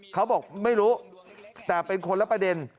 เขาบอกไม่รู้แต่เป็นคนละประเด็น